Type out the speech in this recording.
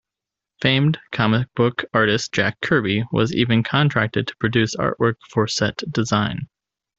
Famed comic-book artist Jack Kirby was even contracted to produce artwork for set design.